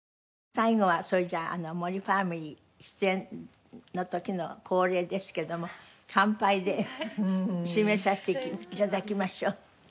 最後はそれじゃあ森ファミリー出演の時の恒例ですけども乾杯で締めさせて頂きましょう。